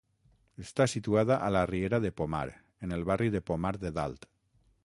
Està situada a la riera de Pomar, en el barri de Pomar de Dalt.